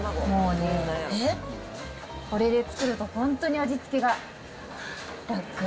もうね、これで作ると本当に味付けが楽。